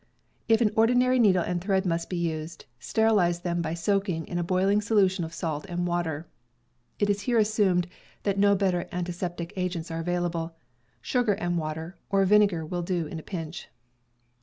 If an ordinary needle and thread must be used, sterilize them by soaking in a boiling solution of salt and water. (It is here assumed that no better antiseptic agents are available. Sugar and water, or vinegar will do in a pinch.)